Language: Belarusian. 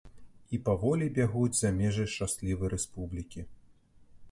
І паволі бягуць за межы шчаслівай рэспублікі.